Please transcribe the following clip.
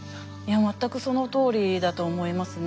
全くそのとおりだと思いますね。